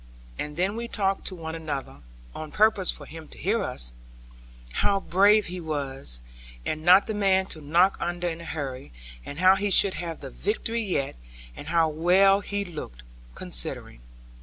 And then we talked to one another (on purpose for him to hear us), how brave he was, and not the man to knock under in a hurry, and how he should have the victory yet; and how well he looked, considering.